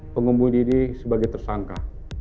penghubung diri sebagai tersangka